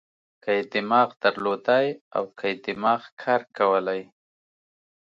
که یې دماغ درلودای او که یې دماغ کار کولای.